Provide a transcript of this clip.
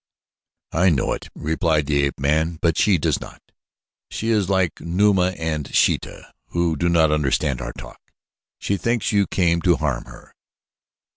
"I know it," replied the ape man, "but she does not. She is like Numa and Sheeta, who do not understand our talk. She thinks you come to harm her."